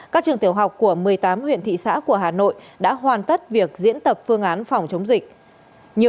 các trường tiểu học của một mươi tám huyện thị xã của hà nội đã hoàn tất việc diễn tập phương án phòng chống dịch